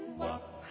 はい。